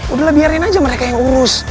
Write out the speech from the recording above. udah lah biarin aja mereka yang urus